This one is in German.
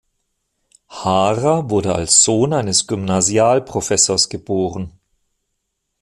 Haarer wurde als Sohn eines Gymnasialprofessors geboren.